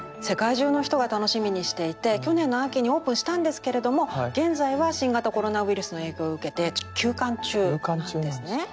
世界中の人が楽しみにしていて去年の秋にオープンしたんですけれども現在は新型コロナウイルスの影響を受けてちょっと休館中なんですね。